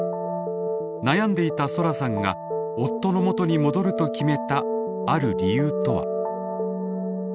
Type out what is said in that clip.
悩んでいたソラさんが夫のもとに戻ると決めたある理由とは？